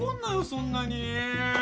そんなに。